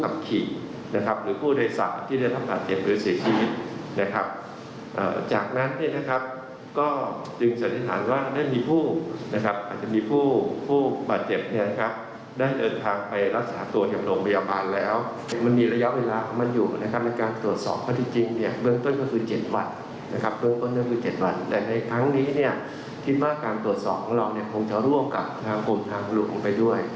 เบื้องต้นก็คือ๗วันในครั้งนี้คิดว่าการตรวจสอบของเราคงจะร่วมกับทางกลมทางหลวงไปด้วย